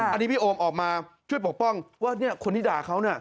อันนี้พี่โอมออกมาช่วยปกป้องว่าเนี่ยคนที่ด่าเขาเนี่ย